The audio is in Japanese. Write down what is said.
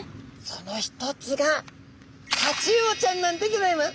その一つがタチウオちゃんなんでギョざいます！